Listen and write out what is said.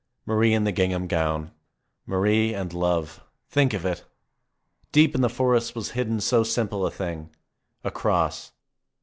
Marie in the gingham gown. Marie and love. Think of it ! Deep in the forest was hidden so simple a thing — a cross.